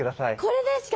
これですか？